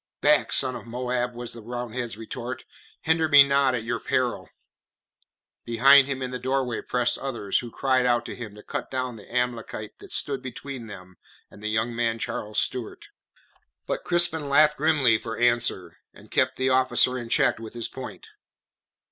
"Back, son of Moab!" was the Roundhead's retort. "Hinder me not, at your peril." Behind him, in the doorway, pressed others, who cried out to him to cut down the Amalekite that stood between them and the young man Charles Stuart. But Crispin laughed grimly for answer, and kept the officer in check with his point.